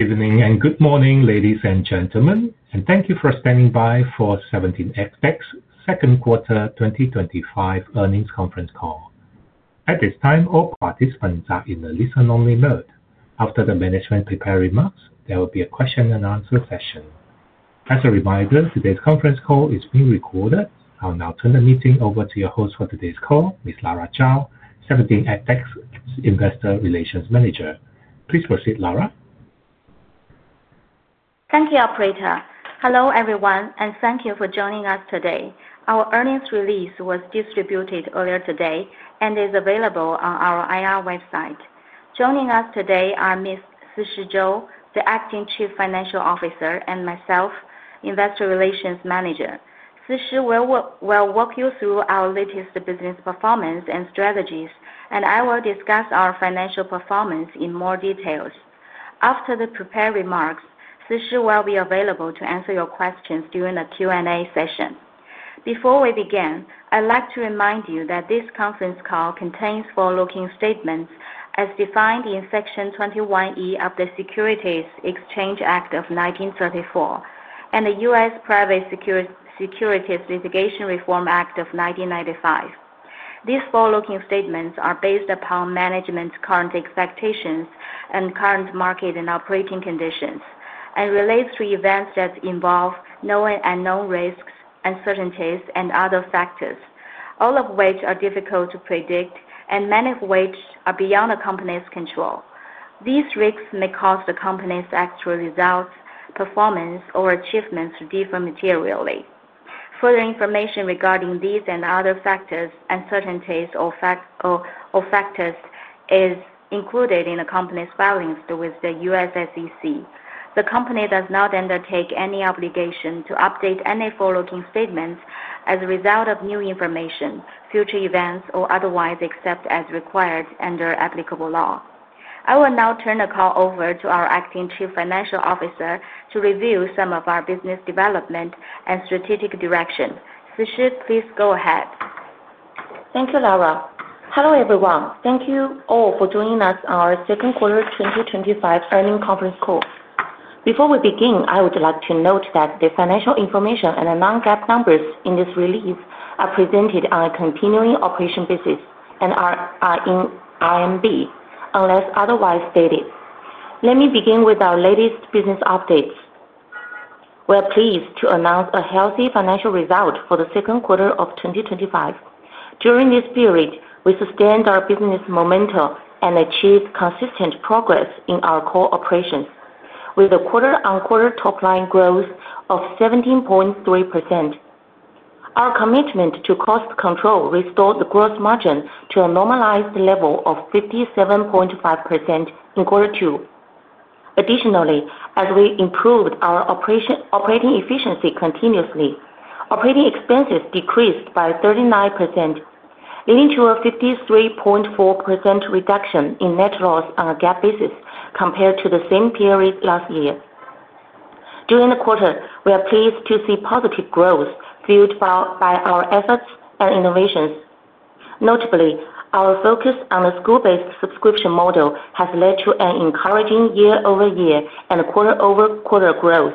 Evening and good morning, ladies and gentlemen, and thank you for standing by for 17EdTech's Second Quarter 2025 Earnings Conference Call. At this time, all participants are in a listen-only mode. After the management prepare remarks, there will be a question-and-answer session. As a reminder, today's conference call is being recorded. I'll now turn the meeting over to your host for today's call, Ms. Lara Zhao, 17EdTech's Investor Relations Manager. Please proceed, Lara. Thank you, Operator. Hello everyone, and thank you for joining us today. Our earnings release was distributed earlier today and is available on our IR website. Joining us today are Ms. Sishi Zhou, the Acting Chief Financial Officer, and myself, Investor Relations Manager. Sishi will walk you through our latest business performance and strategies, and I will discuss our financial performance in more details. After the prepared remarks, Sishi will be available to answer your questions during the Q&A session. Before we begin, I'd like to remind you that this conference call contains forward-looking statements as defined in Section 21E of the Securities Exchange Act of 1934 and the U.S. Private Securities Litigation Reform Act of 1995. These forward-looking statements are based upon management's current expectations and current market and operating conditions, and relate to events that involve known and unknown risks, uncertainties, and other factors, all of which are difficult to predict, and many of which are beyond a company's control. These risks may cause the company's actual results, performance, or achievements to differ materially. Further information regarding these and other factors, uncertainties, or factors is included in the company's filings with the U.S. SEC. The company does not undertake any obligation to update any forward-looking statements as a result of new information, future events, or otherwise except as required under applicable law. I will now turn the call over to our Acting Chief Financial Officer to review some of our business development and strategic direction. Sishi, please go ahead. Thank you, Lara. Hello everyone. Thank you all for joining us on our second quarter 2025 earnings conference call. Before we begin, I would like to note that the financial information and the non-GAAP numbers in this release are presented on a continuing operations basis and are in RMB, unless otherwise stated. Let me begin with our latest business updates. We are pleased to announce a healthy financial result for the second quarter of 2025. During this period, we sustained our business momentum and achieved consistent progress in our core operations, with a quarter-on-quarter top-line growth of 17.3%. Our commitment to cost control restored the gross margin to a normalized level of 57.5% in quarter two. Additionally, as we improved our operating efficiency continuously, operating expenses decreased by 39%, leading to a 53.4% reduction in net loss on a GAAP basis compared to the same period last year. During the quarter, we are pleased to see positive growth fueled by our efforts and innovations. Notably, our focus on the school-based subscription model has led to an encouraging year-over-year and quarter-over-quarter growth.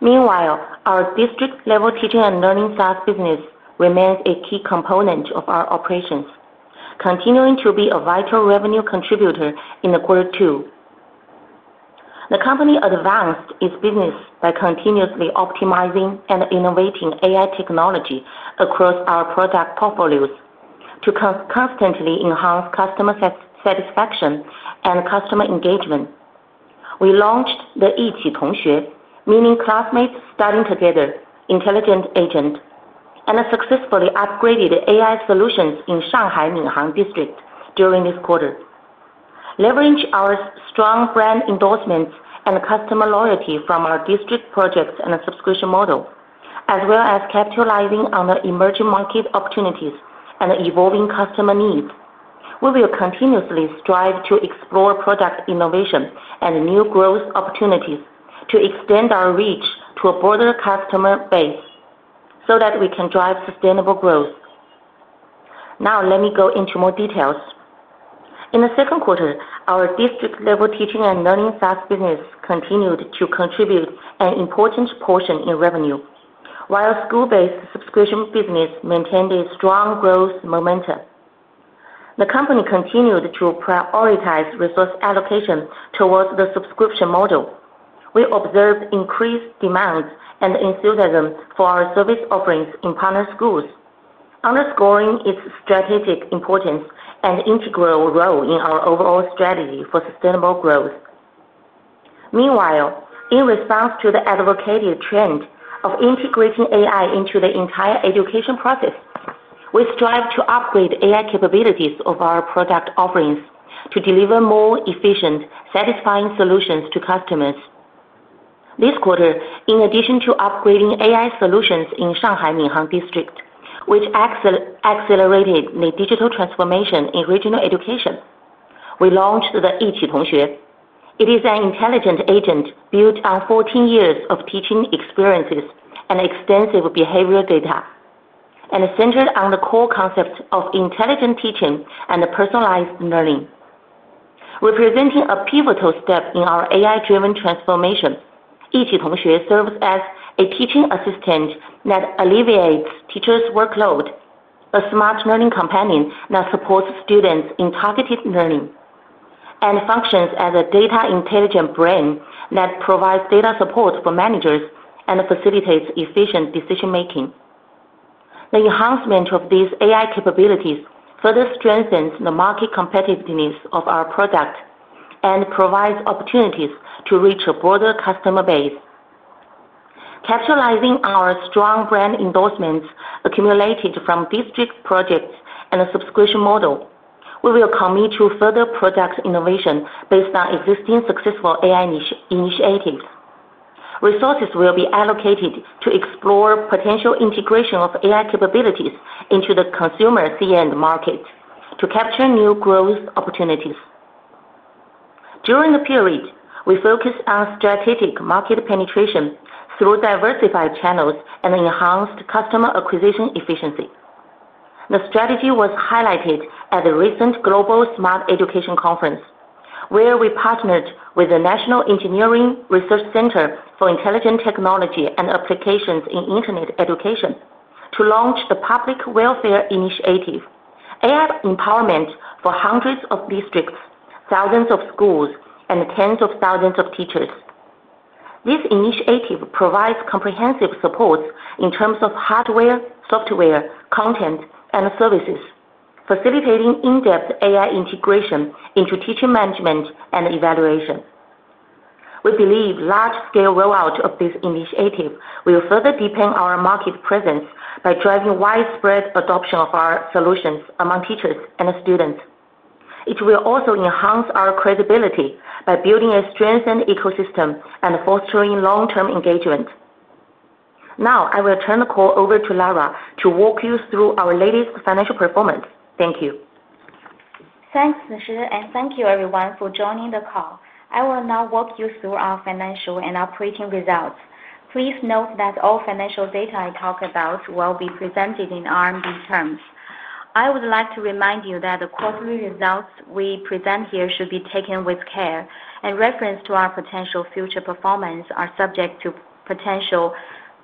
Meanwhile, our district-level teaching and learning SaaS business remains a key component of our operations, continuing to be a vital revenue contributor in the quarter two. The company advanced its business by continuously optimizing and innovating AI technology across our product portfolios to constantly enhance customer satisfaction and customer engagement. We launched the Yiqi Tongxue, meaning classmates studying together, intelligent agent, and successfully upgraded AI solutions in Shanghai Minhang District during this quarter. Leveraging our strong brand endorsements and customer loyalty from our district projects and subscription model, as well as capitalizing on the emerging market opportunities and evolving customer needs, we will continuously strive to explore product innovation and new growth opportunities to extend our reach to a broader customer base so that we can drive sustainable growth. Now, let me go into more details. In the second quarter, our district-level teaching and learning SaaS business continued to contribute an important portion in revenue, while school-based subscription business maintained a strong growth momentum. The company continued to prioritize resource allocation towards the subscription model. We observed increased demand and enthusiasm for our service offerings in partner schools, underscoring its strategic importance and integral role in our overall strategy for sustainable growth. Meanwhile, in response to the advocated trend of integrating AI into the entire education process, we strive to upgrade AI capabilities of our product offerings to deliver more efficient, satisfying solutions to customers. This quarter, in addition to upgrading AI solutions in Shanghai Minhang District, which accelerated the digital transformation in regional education, we launched the Yiqi Tongxue. It is an intelligent agent built on 14 years of teaching experiences and extensive behavioral data, and centered on the core concepts of intelligent teaching and personalized learning. Representing a pivotal step in our AI-driven transformation, Yiqi Tongxue serves as a teaching assistant that alleviates teachers' workload, a smart learning companion that supports students in targeted learning, and functions as a data intelligent brain that provides data support for managers and facilitates efficient decision-making. The enhancement of these AI capabilities further strengthens the market competitiveness of our product and provides opportunities to reach a broader customer base. Capitalizing on our strong brand endorsements accumulated from district projects and the subscription model, we will commit to further product innovation based on existing successful AI initiatives. Resources will be allocated to explore potential integration of AI capabilities into the consumer C-end market to capture new growth opportunities. During the period, we focused on strategic market penetration through diversified channels and enhanced customer acquisition efficiency. The strategy was highlighted at the recent Global Smart Education Conference, where we partnered with the National Engineering Research Center for Intelligent Technology and Applications in Internet Education to launch a public welfare initiative, AI Empowerment for Hundreds of Districts, Thousands of Schools, and Tens of Thousands of Teachers. This initiative provides comprehensive support in terms of hardware, software, content, and services, facilitating in-depth AI integration into teacher management and evaluation. We believe large-scale rollout of this initiative will further deepen our market presence by driving widespread adoption of our solutions among teachers and students. It will also enhance our credibility by building a strengthened ecosystem and fostering long-term engagement. Now, I will turn the call over to Lara to walk you through our latest financial performance. Thank you. Thanks, Sishi, and thank you everyone for joining the call. I will now walk you through our financial and operating results. Please note that all financial data I talk about will be presented in RMB terms. I would like to remind you that the quarterly results we present here should be taken with care, and reference to our potential future performance are subject to potential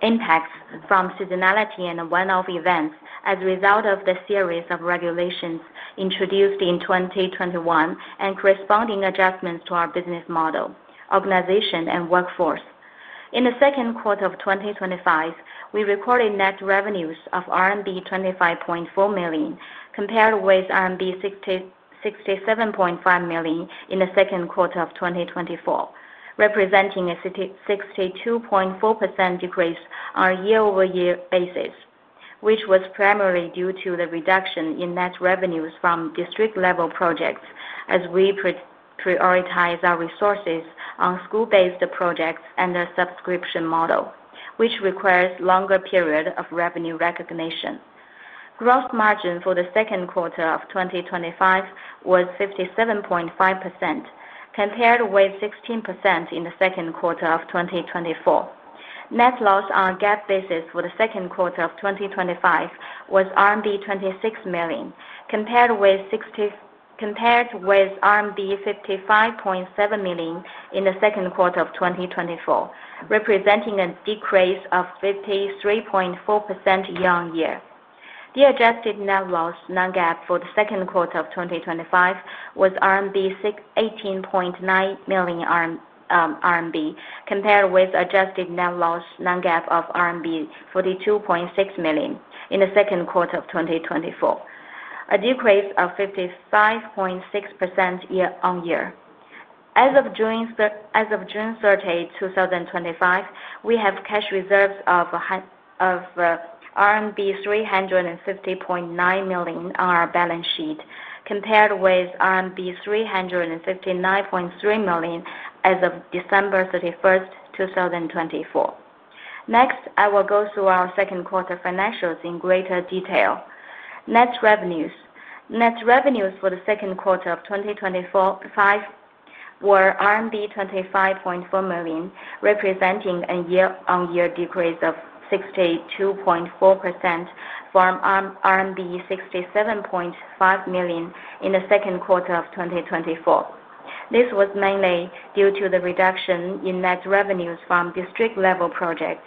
impacts from seasonality and one-off events as a result of the series of regulations introduced in 2021 and corresponding adjustments to our business model, organization, and workforce. In the second quarter of 2025, we recorded net revenues of RMB 25.4 million, compared with 67.5 million in the second quarter of 2024, representing a 62.4% decrease on a year-over-year basis, which was primarily due to the reduction in net revenues from district-level projects as we prioritized our resources on school-based projects and the subscription model, which requires a longer period of revenue recognition. Gross margin for the second quarter of 2025 was 57.5%, compared with 16% in the second quarter of 2024. Net loss on a GAAP basis for the second quarter of 2025 was RMB 26 million, compared with RMB 55.7 million in the second quarter of 2024, representing a decrease of 53.4% year-on-year. The adjusted net loss Non-GAAP for the second quarter of 2025 was RMB 18.9 million RMB, compared with adjusted net loss Non-GAAP of RMB 42.6 million in the second quarter of 2024, a decrease of 55.6% year-on-year. As of June 30, 2025, we have cash reserves of RMB 350.9 million on our balance sheet, compared with RMB 359.3 million as of December 31, 2024. Next, I will go through our second quarter financials in greater detail. Net revenues for the second quarter of 2025 were RMB 25.4 million, representing a year-on-year decrease of 62.4% from RMB 67.5 million in the second quarter of 2024. This was mainly due to the reduction in net revenues from district-level projects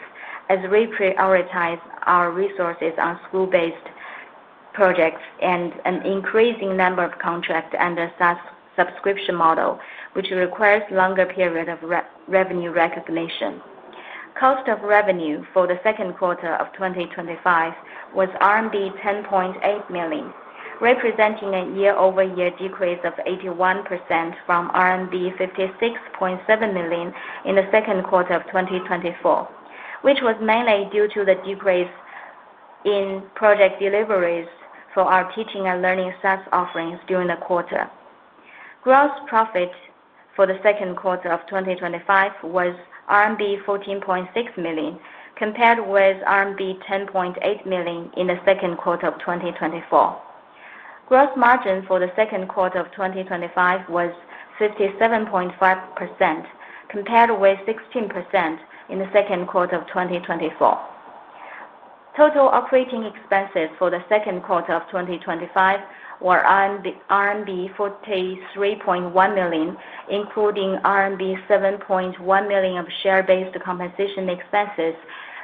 as we prioritized our resources on school-based projects and an increasing number of contracts and the SaaS subscription model, which requires a longer period of revenue recognition. Cost of revenue for the second quarter of 2025 was RMB 10.8 million, representing a year-over-year decrease of 81% from RMB 56.7 million in the second quarter of 2024, which was mainly due to the decrease in project deliveries for our teaching and learning SaaS offerings during the quarter. Gross profit for the second quarter of 2025 was RMB 14.6 million, compared with RMB 10.8 million in the second quarter of 2024. Gross margin for the second quarter of 2025 was 57.5%, compared with 16% in the second quarter of 2024. Total operating expenses for the second quarter of 2025 were RMB 43.1 million, including RMB 7.1 million of share-based compensation expenses,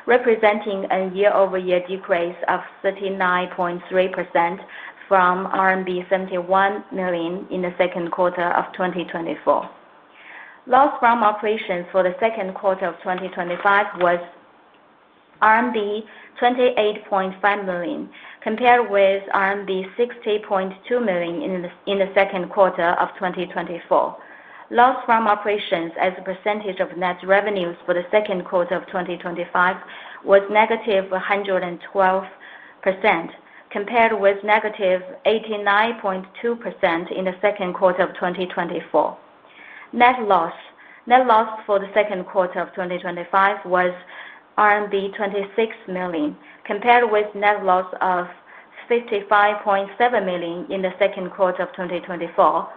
representing a year-over-year decrease of 39.3% from RMB 71 million in the second quarter of 2024. Loss from operations for the second quarter of 2025 was RMB 28.5 million, compared with RMB 60.2 million in the second quarter of 2024. Loss from operations as a percentage of net revenues for the second quarter of 2025 was negative 112%, compared with negative 89.2% in the second quarter of 2024. Net loss for the second quarter of 2025 was RMB 26 million, compared with net loss of 55.7 million in the second quarter of 2024.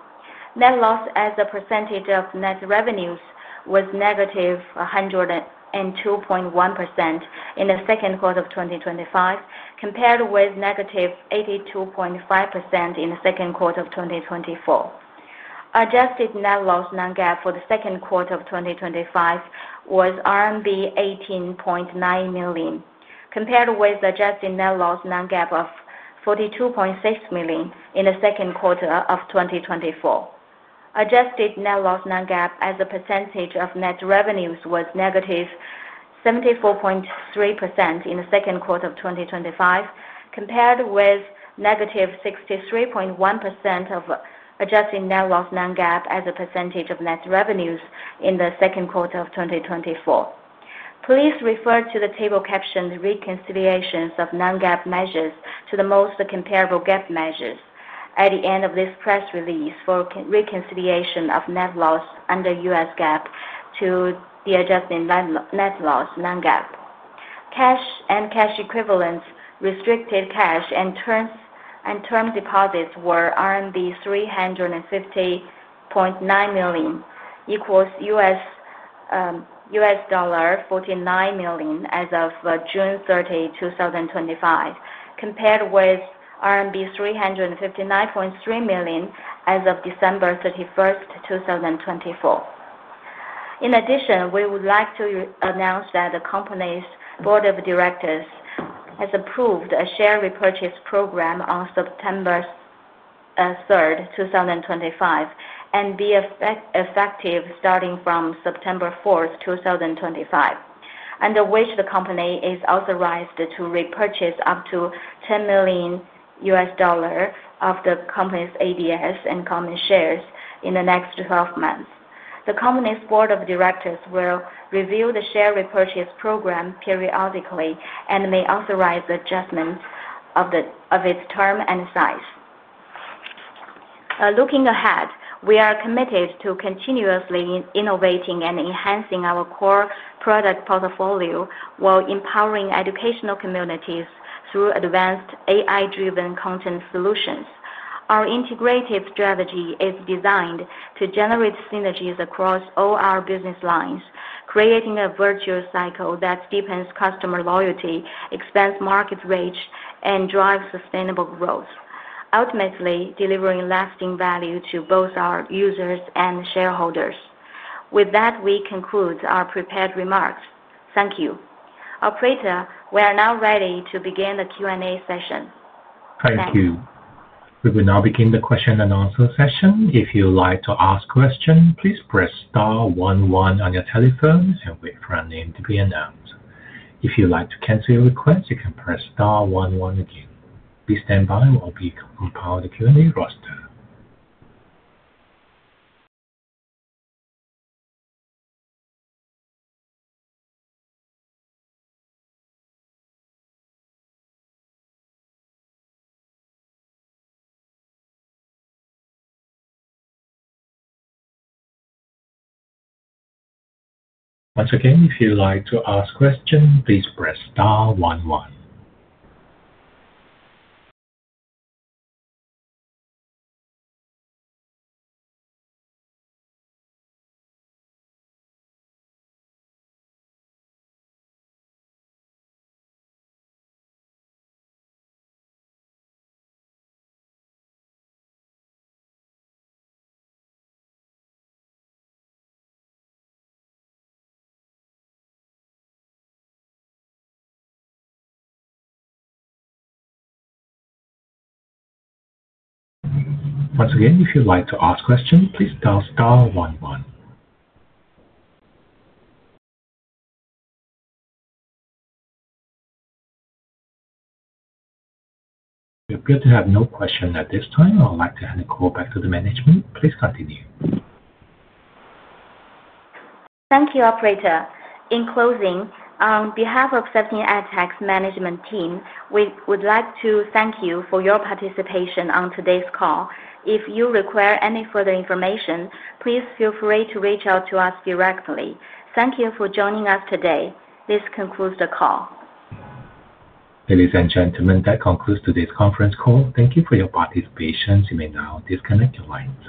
Net loss as a percentage of net revenues was negative 102.1% in the second quarter of 2025, compared with negative 82.5% in the second quarter of 2024. Adjusted net loss Non-GAAP for the second quarter of 2025 was RMB 18.9 million, compared with adjusted net loss Non-GAAP of 42.6 million in the second quarter of 2024. Adjusted net loss non-GAAP as a percentage of net revenues was negative 74.3% in the second quarter of 2025, compared with negative 63.1% of adjusted net loss non-GAAP as a percentage of net revenues in the second quarter of 2024. Please refer to the table captioned "Reconciliations of Non-GAAP Measures" to the most comparable GAAP measures at the end of this press release for reconciliation of net loss under U.S. GAAP to the adjusted net loss non-GAAP. Cash and cash equivalents, restricted cash and term deposits were RMB 350.9 million, equals $49 million as of June 30, 2025, compared with RMB 359.3 million as of December 31, 2024. In addition, we would like to announce that the company's board of directors has approved a share repurchase program on September 3, 2025, and be effective starting from September 4, 2025, under which the company is authorized to repurchase up to $10 million of the company's ADS and common shares in the next 12 months. The company's board of directors will review the share repurchase program periodically and may authorize adjustments of its term and size. Looking ahead, we are committed to continuously innovating and enhancing our core product portfolio while empowering educational communities through advanced AI-driven content solutions. Our integrated strategy is designed to generate synergies across all our business lines, creating a virtuous cycle that deepens customer loyalty, expands market reach, and drives sustainable growth, ultimately delivering lasting value to both our users and shareholders. With that, we conclude our prepared remarks. Thank you. Operator, we are now ready to begin the Q&A session. Thank you. We will now begin the question-and-answer session. If you would like to ask a question, please press star 1 1 on your telephones and wait for a name to be announced. If you would like to cancel your request, you can press star 1 1 again. Please stand by while we compile the Q&A roster. Once again, if you would like to ask a question, please press star 1 1. Once again, if you would like to ask a question, please press star 1 1. We appear to have no questions at this time. I would like to hand the call back to the management. Please continue. Thank you, Operator. In closing, on behalf of 17EdTech's management team, we would like to thank you for your participation on today's call. If you require any further information, please feel free to reach out to us directly. Thank you for joining us today. This concludes the call. Ladies and gentlemen, that concludes today's conference call. Thank you for your participation. You may now disconnect your lines.